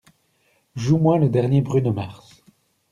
Joue-moi le dernier Bruno Mars